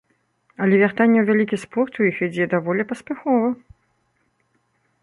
Але вяртанне ў вялікі спорт у іх ідзе даволі паспяхова.